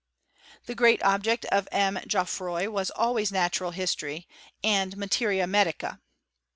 The great object of M. Geoffroy was always natural history, and materia medica.